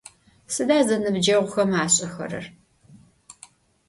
Sıda zenıbceğuxem aş'exerer?